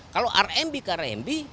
kalau rmb ke rmb